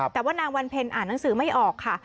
แต่ว่านางวันเพ็ญอ่านหนังสือไม่ออกค่ะ